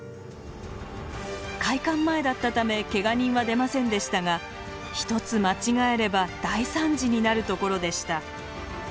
開館前だったためけが人は出ませんでしたが一つ間違えれば大惨事になるところでした。